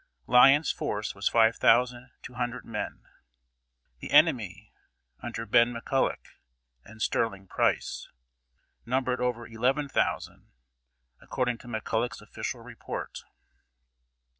Lyon's force was five thousand two hundred men. The enemy, under Ben McCulloch and Sterling Price, numbered over eleven thousand, according to McCulloch's official report.